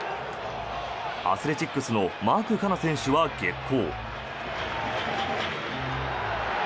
アスレチックスのマーク・カナ選手は激高。